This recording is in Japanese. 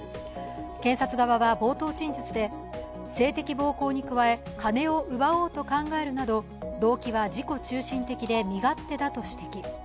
検察側は冒頭陳述で、性的暴行に加え金を奪おうと考えるなど動機は自己中心的で身勝手だと指摘。